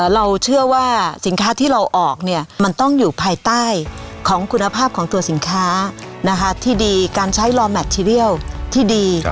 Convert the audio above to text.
เราเชื่อว่าสินค้าที่เราออกมันต้องอยู่ภายใต้ของคุณภาพของตัวสินค้าที่ดีการใช้รอแมคทีเรียลที่ดี